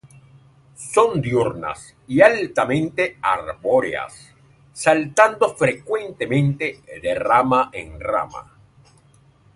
Son diurnas y altamente arbóreas, saltando frecuentemente de rama en rama.